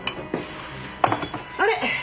あれ？